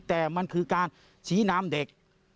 แต่มันคือการชี้นำเด็ก